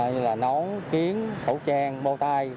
như là nón kiến khẩu trang mô tai